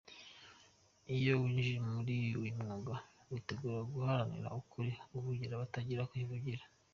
Iyo winjiye muri uyu mwuga, witegura guharanira ukuri, uvugira abatagira kivugira.